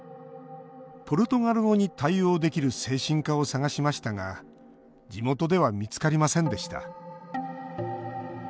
ポルトガル語に対応できる精神科を探しましたが地元では見つかりませんでした。